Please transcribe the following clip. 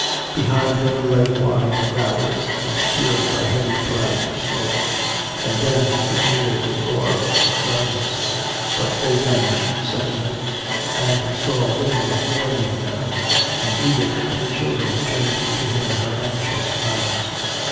Behind them lay wide valleys obscured by heavy clouds of smoke, and he could hear the roar of guns. But they vanished suddenly, and he saw women mourning now, and Edith with her children turned to him her anxious eyes.